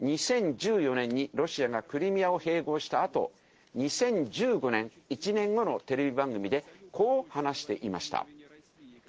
２０１４年にロシアがクリミアを併合したあと、２０１５年、１年後のテレビ番組で、こう話していました。